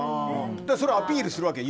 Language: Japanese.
それをアピールするわけ？